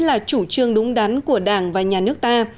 là chủ trương đúng đắn của đảng và nhà nước ta